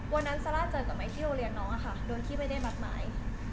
วันนั้นซาร่าเจอกับไหมที่โรงเรียนน้องค่ะโดยที่ไม่ได้บัตรหมาย